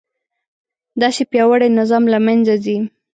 داسې پیاوړی نظام له منځه ځي.